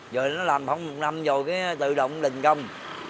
giờ nó làm không một năm rồi tự động định công